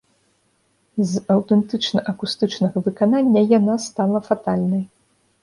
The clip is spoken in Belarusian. З аўтэнтычна-акустычнага выканання яна стала фатальнай.